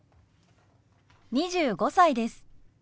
２５歳です。